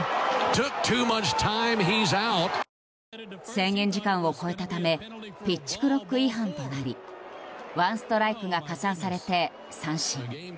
制限時間を超えたためピッチクロック違反となりワンストライクが加算されて三振。